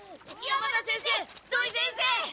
山田先生土井先生